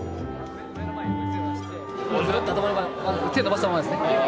ずっと手を伸ばしたままですね。